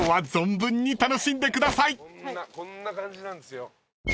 こんな感じなんですよ。